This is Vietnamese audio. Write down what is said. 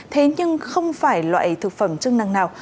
thế nhưng không phải loại thực phẩm chức năng nào